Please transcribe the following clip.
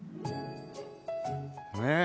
ねえ。